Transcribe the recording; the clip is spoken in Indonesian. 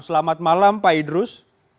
selamat malam pak idrus